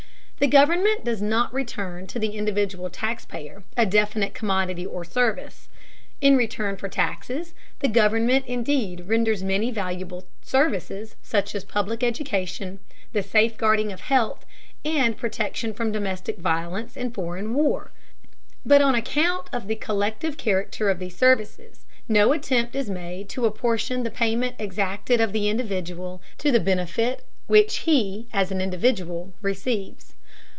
The government does not return to the individual taxpayer a definite commodity or service. In return for taxes the government indeed renders many valuable services, such as public education, the safeguarding of health, and protection from domestic violence and foreign war. But on account of the collective character of these services, no attempt is made to apportion the payment exacted of the individual to the benefit which he as an individual receives.